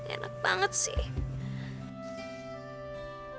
enak banget sih